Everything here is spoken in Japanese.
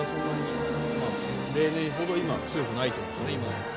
例年ほど強くないということですね。